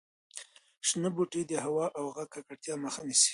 شنه بوټي د هوا او غږ د ککړتیا مخه نیسي.